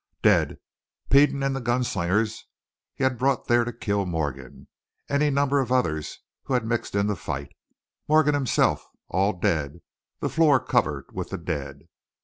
Dead. Peden and the gun slingers he had brought there to kill Morgan; any number of others who had mixed in the fight; Morgan himself all dead, the floor covered with the dead.